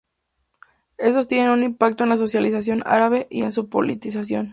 Estos tienen un impacto en la socialización árabe y en su politización.